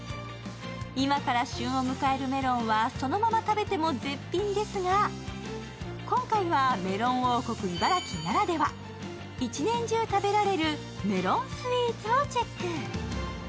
今から旬を迎えるメロンはそのまま食べても絶品ですが、今回はメロン王国・茨城ならでは１年中食べられるメロンスイーツをチェック。